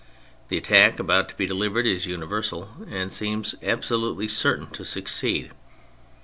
The attack about to be delivered is universal, and seems absolutely certain to succeed.